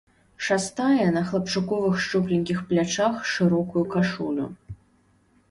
Шастае на хлапчуковых шчупленькіх плячах шырокую кашулю.